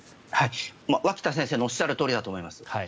脇田先生のおっしゃるとおりだと思います。